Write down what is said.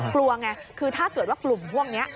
กลัวไงคือถ้าเกิดว่ากลุ่มพวกนี้